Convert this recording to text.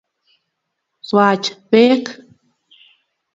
swach beek